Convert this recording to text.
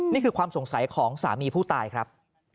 นี่คือความสงสัยของสามีผู้ตายครับ